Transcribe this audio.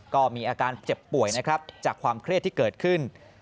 ก็มีอาการเจ็บป่วยนะครับจากความเครียดที่เกิดขึ้น